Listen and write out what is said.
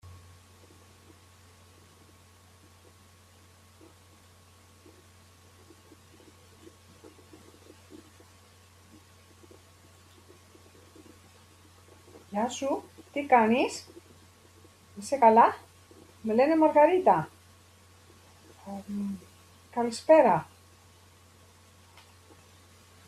Science has been arguing about the zoological classification of the species for decades.